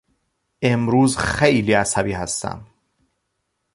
امروز خیلی عصبی هستم.